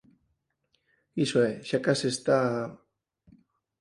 Iso é. Xa case está...